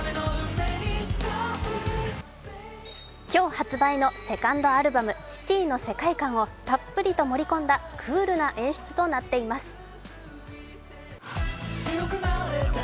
今日発売のセカンドアルバム「ＣＩＴＹ」の世界観をたっぷりと盛り込んだクールな演出となっています。